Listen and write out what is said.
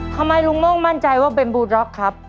ทำไมลุงโม่งมั่นใจว่าเป็นบูด็อกครับ